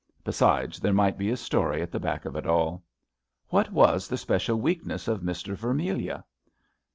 Besides, there might be a story at the back of it all. What was the special weakness of Mister Vermilyea?